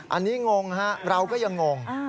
อันนี้งงฮะเราก็ยังงง